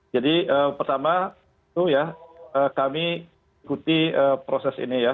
jadi pertama kami ikuti proses ini ya